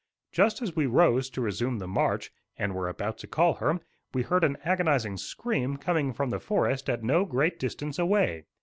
Just as we rose to resume the march, and were about to call her, we heard an agonizing scream coming from the forest at no great distance away.